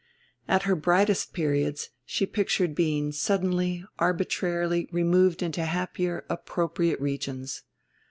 At her brightest periods she pictured being suddenly, arbitrarily, removed into happier appropriate regions.